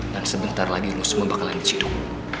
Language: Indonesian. dan sebentar lagi lu semua bakalan cedok